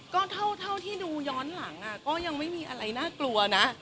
ก็เท่าที่ดูย้อนหลังก็ยังไม่มีอะไรน่ากลัวนะ